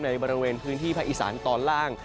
ในบริเวณพื้นที่ภาคอีสานตอนล่าง